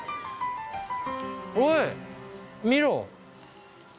おい見ろ！